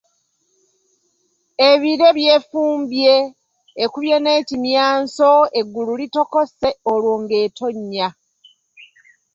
"Ebire byefumbye, ekubye n’ekimyanso, eggulu litokose, olwo ng’etonnya."